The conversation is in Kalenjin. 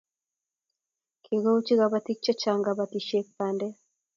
Kikouchi kobotik chechang kobotisietab bandek